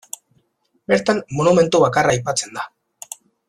Bertan monumentu bakarra aipatzen da.